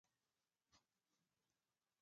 د افغانستان په منظره کې مس ښکاره ده.